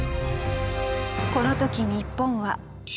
この時日本は。